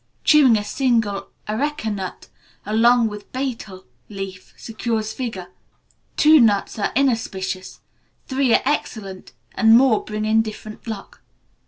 Chewing a single areca nut, along with betel leaf secures vigour, two nuts are inauspicious, three are excellent, and more bring indifferent luck.